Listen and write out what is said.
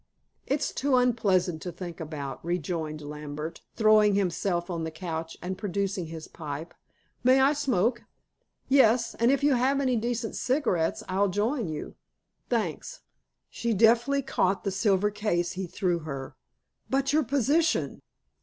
"It's too unpleasant to think about," rejoined Lambert, throwing himself on the couch and producing his pipe. "May I smoke?" "Yes, and if you have any decent cigarettes I'll join you. Thanks!" She deftly caught the silver case he threw her. "But your position?"